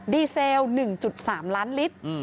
เซล๑๓ล้านลิตร